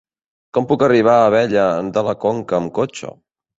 Com puc arribar a Abella de la Conca amb cotxe?